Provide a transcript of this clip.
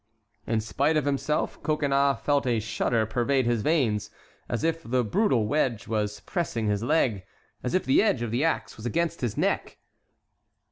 In spite of himself, Coconnas felt a shudder pervade his veins, as if the brutal wedge was pressing his leg—as if the edge of the axe was against his neck.